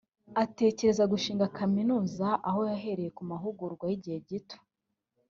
atekereza gushinga Kaminuza aho yahereye ku mahugurwa y’ighe gito